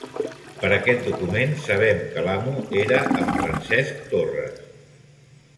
Per aquest document sabem que l'amo era en Francesc Torres.